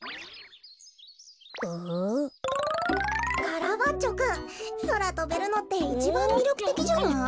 カラバッチョくんそらとべるのっていちばんみりょくてきじゃない？